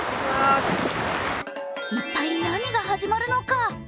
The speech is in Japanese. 一体、何が始まるのか？